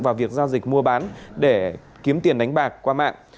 vào việc giao dịch mua bán để kiếm tiền đánh bạc qua mạng